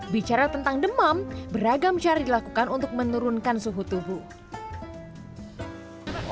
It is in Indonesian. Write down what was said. bicara tentang demam beragam cara dilakukan untuk menurunkan suhu tubuh